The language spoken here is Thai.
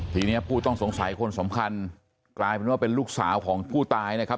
ทีนี้ผู้ต้องสงสัยคนสำคัญกลายเป็นว่าเป็นลูกสาวของผู้ตายนะครับ